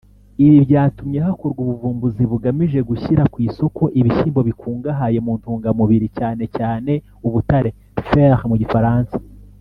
Ibi byatumye hakorwa ubuvumbuzi bugamije gushyira ku isoko ibishyimbo bikungahaye mu ntungamubiri cyane cyane ubutare (Fer mu Gifaransa)